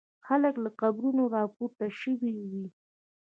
خلک له قبرونو را پورته شوي وي.